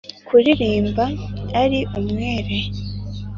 kuririmba ari umwere;